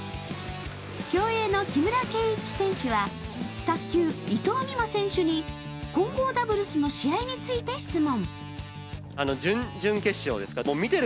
競泳の木村敬一選手は卓球・伊藤美誠選手に混合ダブルスの試合について質問。